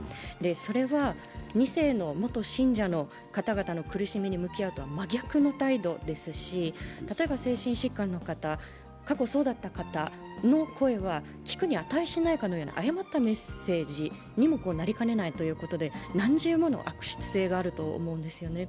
それは２世の元信者の方の苦しみに向き合うのとは真逆の態度ですし例えば精神疾患の方過去そうだった方の声は協力に値しないかのような誤ったメッセージにもなりかねないということで何重もの悪質性があると思うんですよね。